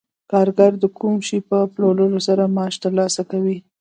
کارګر د کوم شي په پلورلو سره معاش ترلاسه کوي